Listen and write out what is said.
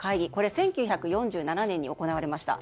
１９４７年に行われました。